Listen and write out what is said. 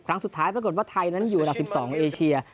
ครั้งสุดท้ายปรากฏว่าไทยนั้นอยู่อันดับ๑๒เอเชีย